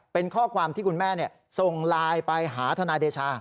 เป็นข้อความที่คุณแม่ส่งไลน์ไปหาทนายเดชา